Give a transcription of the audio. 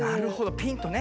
ピンとね。